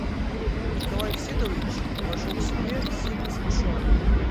Николай Всеволодович вошел к себе сильно смущенный.